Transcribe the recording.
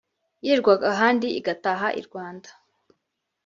yirirwaga ahandi igataha i Rwanda